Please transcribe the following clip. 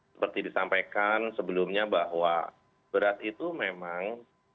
seperti disampaikan sebelumnya bahwa beras itu memang